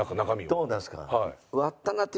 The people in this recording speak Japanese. どう出すか。